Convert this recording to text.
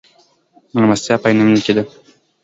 مېلمستیا په عینومېنه کې ده.